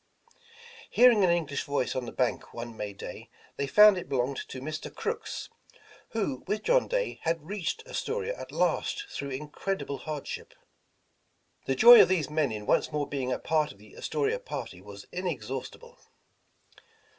Hearing an English voice on the bank one May dajs they found it belonged to Mr. Crooks, who, with John Day, had reached Astoria at last through incredible hardship. The joy of these men in once more being a part of the Astoria party was inexhaustible.